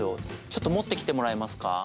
ちょっと持ってきてもらえますか。